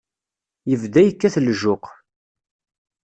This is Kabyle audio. Yebda yekkat lǧuq.